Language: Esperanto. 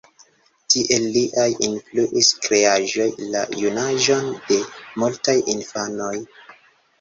Tiel liaj influis kreaĵoj la junaĝon de multaj infanoj.